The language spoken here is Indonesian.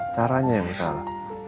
caranya yang salah